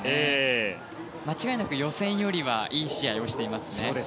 間違いなく予選よりはいい試合をしていますね。